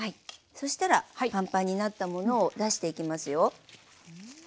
そしたらパンパンになったものを出していきますよ。